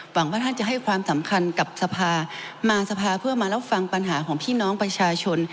ว่าท่านจะให้ความสำคัญกับสภามาสภาเพื่อมารับฟังปัญหาของพี่น้องประชาชน